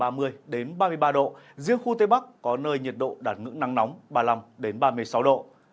riêng khu tây bắc có nơi nhiệt độ đạt ngưỡng nắng nóng ba mươi năm ba mươi sáu độ